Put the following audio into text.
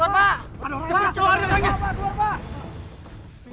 ada orang di depan